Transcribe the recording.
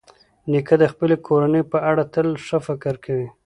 نیکه د خپلې کورنۍ په اړه تل ښه فکر کوي.